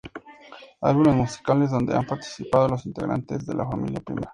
Álbumes musicales donde han participado los integrantes de la familia Primera.